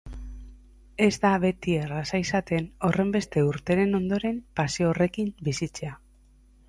Ez da beti erraza izaten horrenbeste urteren ondoren pasio horrekin bizitzea.